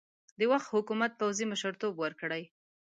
د وخت حکومت پوځي مشرتوب ورکړي.